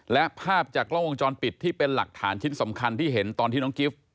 และภาพจากกล้องวงจรปิดที่เป็นหลักฐานชิ้นสำคัญที่เห็นตอนที่น้องกิฟต์